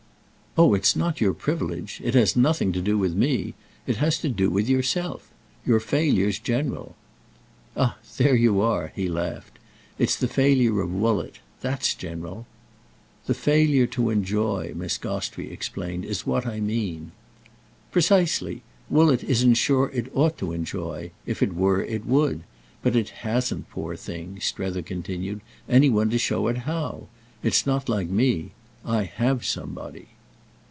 "Oh it's not your privilege! It has nothing to do with me. It has to do with yourself. Your failure's general." "Ah there you are!" he laughed. "It's the failure of Woollett. That's general." "The failure to enjoy," Miss Gostrey explained, "is what I mean." "Precisely. Woollett isn't sure it ought to enjoy. If it were it would. But it hasn't, poor thing," Strether continued, "any one to show it how. It's not like me. I have somebody."